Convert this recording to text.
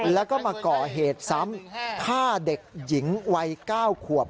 แล้วก็มาก่อเหตุซ้ำฆ่าเด็กหญิงวัย๙ขวบ